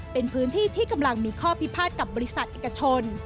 เป็นพื้นที่ที่กำลังมีข้อพิพาทกับบริษัทเอกชน